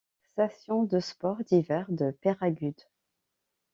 Station de sports d'hiver de Peyragudes.